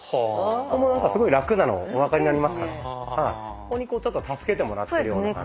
ここに助けてもらってるような感じ。